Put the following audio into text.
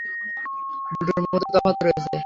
দুটোর মধ্যে তফাৎ রয়েছে।